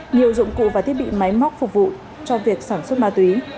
nhiều dụng cụ và thiết bị máy móc phục vụ cho việc sản xuất ma túy